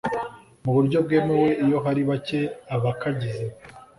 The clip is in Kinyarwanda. mu buryo bwemewe iyo hari bake abakagize